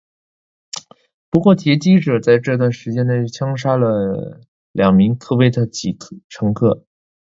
不过劫机者在这段时间内又枪杀了两名科威特籍乘客。